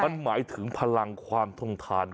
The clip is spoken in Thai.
มันหมายถึงพลังความทงทาน